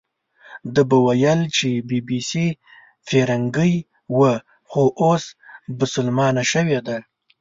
ده به ویل چې بي بي سي فیرنګۍ وه، خو اوس بسلمانه شوې ده.